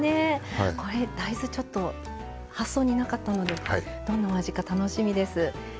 大豆ちょっと発想になかったのでどんなお味か楽しみです。